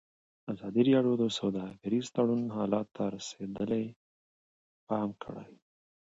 ازادي راډیو د سوداګریز تړونونه حالت ته رسېدلي پام کړی.